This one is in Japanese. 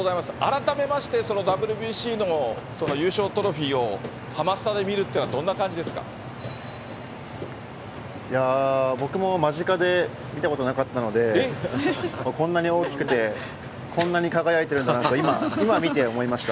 改めましてそのＷＢＣの優勝トロフィーをハマスタで見るってのはいやー、僕も間近で見たことなかったので、こんなに大きくて、こんなに輝いてるんだなって、今見て思いました。